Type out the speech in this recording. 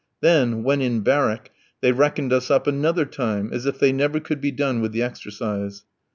Then, when in barrack, they reckoned us up another time, as if they never could be done with the exercise.